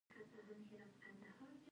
د غاښونو برس کول ضروري دي۔